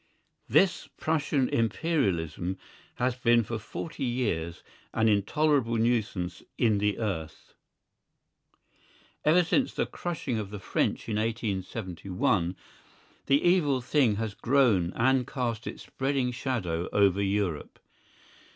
This Prussian Imperialism has been for forty years an intolerable nuisance in the earth. Ever since the crushing of the French in 1871 the evil thing has grown and cast its spreading shadow over Europe.